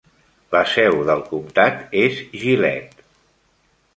La seu del comtat és Gillette.